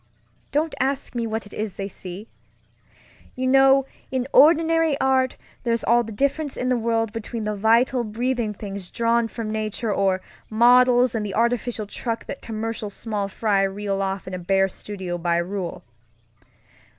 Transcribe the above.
Don't ask me what it is they see. You know, in ordinary art, there's all the difference in the world between the vital, breathing things drawn from nature or models and the artificial truck that commercial small fry reel off in a bare studio by rule.